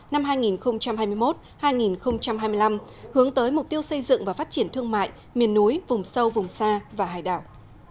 năm hai nghìn hai mươi một hai nghìn hai mươi năm hướng tới mục tiêu xây dựng và phát triển thương mại miền núi vùng sâu vùng xa và hải đảo